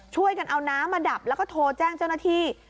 ช่วยกันเอาน้ำมาดับแล้วก็โทรแจ้งเจ้าหน้าที่